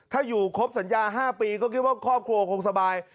ถ้าอยู่ครบสัญญา๕ปีก็คิดว่าครอบครัวคงสบาย